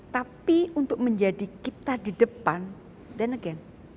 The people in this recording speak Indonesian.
tapi untuk menjadi kita di depan than again